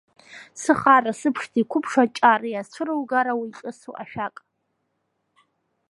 Сыхаара, сыԥшӡа, иқуԥшу Аҷара, иаацәыругаруеи иҿыцу ашәак!